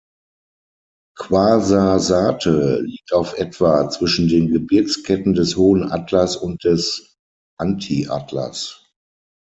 Ouarzazate liegt auf etwa zwischen den Gebirgsketten des Hohen Atlas und des Antiatlas.